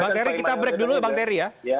bang terry kita break dulu bang terry ya